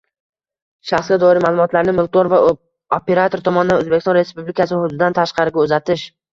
Shaxsga doir ma’lumotlarni mulkdor va operator tomonidan O‘zbekiston Respublikasi hududidan tashqariga uzatish